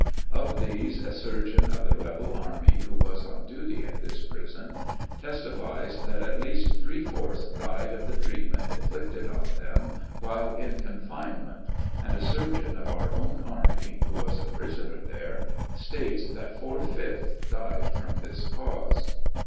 Of these, a surgeon of the rebel army who was on duty at this prison, testifies that at least three fourths died of the treatment inflicted on them while in confinement ; and a surgeon of our own army, wlio was a prisoner there, states that four fifths died from this cause.